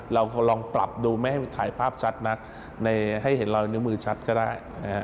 เราลองปรับดูไม่ให้ถ่ายภาพชัดนักให้เห็นรอยนิ้วมือชัดก็ได้